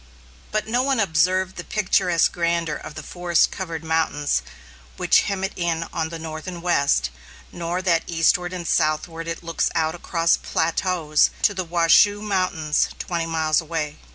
But no one observed the picturesque grandeur of the forest covered mountains which hem it in on the north and west; nor that eastward and southward it looks out across plateaus to the Washoe Mountains twenty miles away.